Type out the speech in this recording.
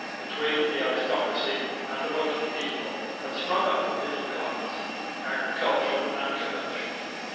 Between the aristocracy and the working people had sprung up a middle class, agricultural and commercial.